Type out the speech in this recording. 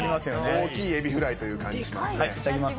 大きいエビフライという感じいただきます。